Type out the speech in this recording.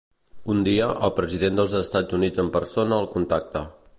Un dia, el president dels Estats Units en persona el contacta.